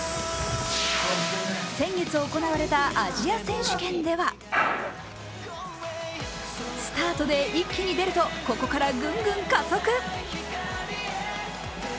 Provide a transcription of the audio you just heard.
先月行われたアジア選手権ではスタートで一気に出ると、ここからグングン加速。